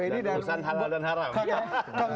dosa halal dan haram